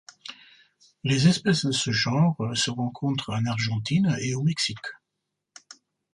Les espèces de ce genre se rencontrent en Argentine et au Mexique.